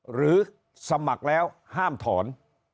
หรือสมัครแล้วห้ามถอน